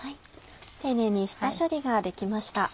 丁寧に下処理ができました。